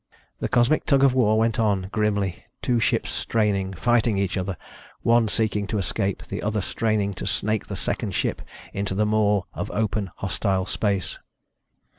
The cosmic tug of war went on, grimly two ships straining, fighting each other, one seeking to escape, the other straining to snake the second ship into the maw of open, hostile space.